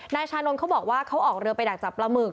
ชานนท์เขาบอกว่าเขาออกเรือไปดักจับปลาหมึก